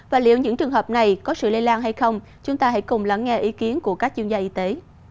và liệu những trường hợp này có sự lây lan hay không chúng ta hãy cùng lắng nghe ý kiến của các chuyên gia y tế